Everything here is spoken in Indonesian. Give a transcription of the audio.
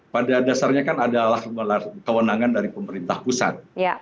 pada dasarnya kan adalah kewenangan dari pemerintah pusat